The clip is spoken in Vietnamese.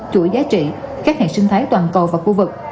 chuỗi giá trị các hệ sinh thái toàn cầu và khu vực